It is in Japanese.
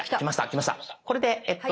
これでえっと